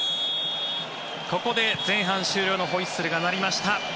ここで前半終了のホイッスルが鳴りました。